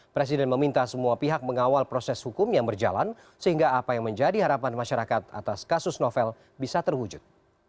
presiden meminta semua pihak mengawal proses hukum yang berjalan sehingga apa yang menjadi harapan masyarakat atas kasus novel bisa terwujud